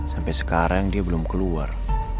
sampai sekarang dia belum keluar